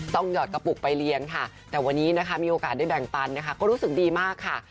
หยอดกระปุกไปเรียนค่ะแต่วันนี้นะคะมีโอกาสได้แบ่งปันนะคะก็รู้สึกดีมากค่ะ